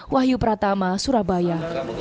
wahyu pratama surabaya